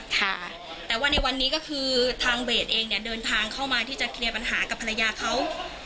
ค่ะแต่ว่าในวันนี้ก็คือทางเบสเองเนี่ยเดินทางเข้ามาที่จะเคลียร์ปัญหากับภรรยาเขา